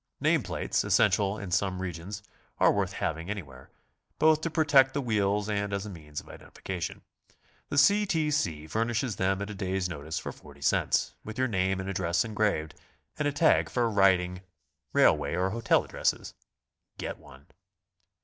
Name plates, essential in some regions, are worth hav ing anywhere, both to protect the wheels and as a means of identification. The C. T. C. furnishes them at a day's notice for 40 cts., with your name and address engraved, and a tag for writing railway or hotel addresses. Get one.